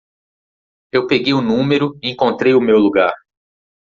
Eu peguei o número e encontrei o meu lugar.